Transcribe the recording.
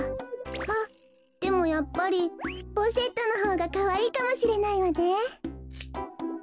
あっでもやっぱりポシェットのほうがかわいいかもしれないわね。